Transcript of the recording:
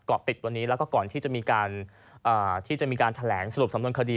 เกาะติดวันนี้แล้วก็ก่อนที่จะมีการที่จะมีการแถลงสรุปสำนวนคดี